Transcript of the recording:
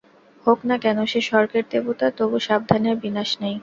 হোক-না কেন সে স্বর্গের দেবতা, তবু সাবধানের বিনাশ নাই।